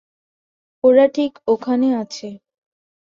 ওরা ঠিক ওখানে আছে।